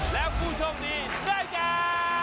แล้วผู้โชคดีได้แจ๊ะ